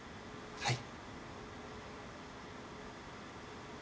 はい。